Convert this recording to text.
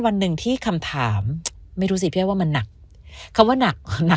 วันหนึ่งที่คำถามไม่รู้สิพี่อ้อยว่ามันหนักคำว่าหนักหนัก